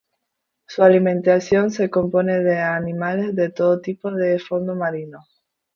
Su alimentación se compone de animales de todo tipo del fondo marino.